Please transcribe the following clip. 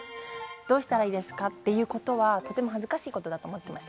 どうしたらいいですかと言ったら恥ずかしいことだと思っていました。